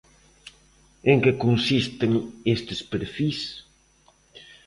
En que consisten estes perfís?